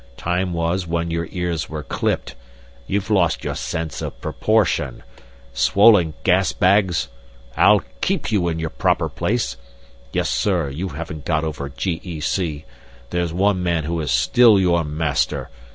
Time was when your ears were clipped. You've lost your sense of proportion. Swollen gas bags! I'll keep you in your proper place. Yes, sir, you haven't got over G. E. C. There's one man who is still your master.